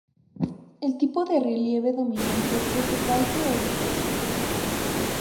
El tipo de relieve dominante es el valle o depresión.